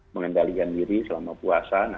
mengendalikan diri selama puasa